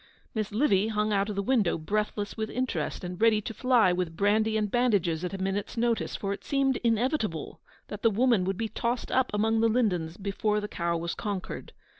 Miss Livy hung out of the window, breathless with interest, and ready to fly with brandy and bandages at a minute's notice, for it seemed inevitable that the woman would be tossed up among the lindens before the cow was conquered.